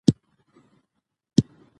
اسلامي فقه او تاریخ دئ.